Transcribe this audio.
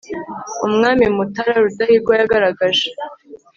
umwami mutara rudahigwa yagaragaje